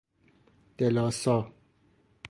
دلاسا